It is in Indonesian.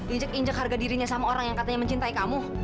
injek injek harga dirinya sama orang yang katanya mencintai kamu